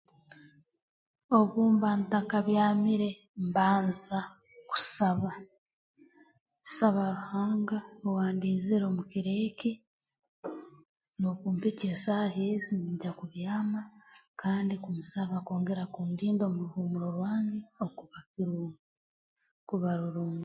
Obu mba ntakabyamire mbanza kusaba nsaba Ruhanga owaandinzire omu kiro eki n'okumpikya esaaha ezi ningya kubyama kandi kumusaba kwongera kundinda omu ruhuumuro rwange okuba kurungi kuba rurungi